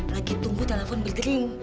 lagi tunggu telepon berdring